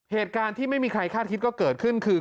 เหตุการณ์ที่ไม่มีใครคาดคิดก็เกิดขึ้นคือ